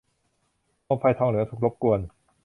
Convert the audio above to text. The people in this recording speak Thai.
โคมไฟทองเหลืองถูกรบกวน